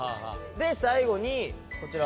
で最後にこちら。